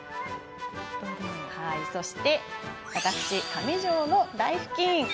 そして私、上條の台ふきん。